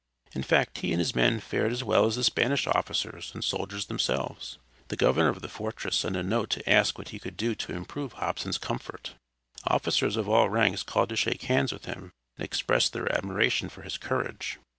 In fact he and his men fared as well as the Spanish officers and soldiers themselves. The governor of the fortress sent a note to ask what he could do to improve Hobson's comfort. Officers of all ranks called to shake hands with him, and express their admiration for his courage.